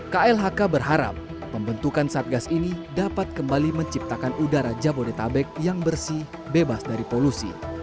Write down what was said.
klhk berharap pembentukan satgas ini dapat kembali menciptakan udara jabodetabek yang bersih bebas dari polusi